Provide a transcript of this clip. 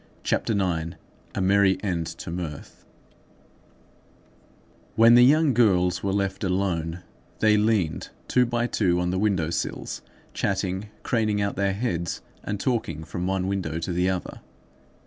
CHAPTER IX—A MERRY END TO MIRTH When the young girls were left alone, they leaned two by two on the window sills, chatting, craning out their heads, and talking from one window to the other.